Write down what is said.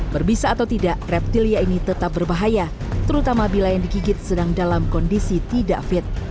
berbisa atau tidak reptilia ini tetap berbahaya terutama bila yang digigit sedang dalam kondisi tidak fit